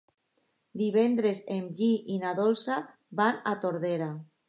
Divendres en Guim i na Dolça van a Tordera.